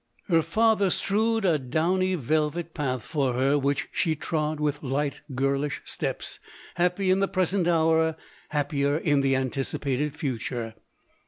Her father strewed a downy velvet path for her, which she trod with light, girlish steps, happy in the present hour, hap pier in the anticipated future.